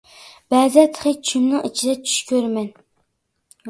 بەزىدە تېخى چۈشۈمنىڭ ئىچىدە چۈش كۆرىمەن.